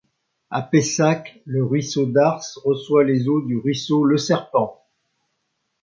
A Pessac le ruisseau d'Ars reçoit les eaux du ruisseau le Serpent.